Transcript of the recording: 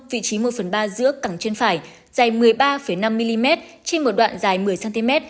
vị trí một phần ba giữa cẳng trên phải dày một mươi ba năm mm trên một đoạn dài một mươi cm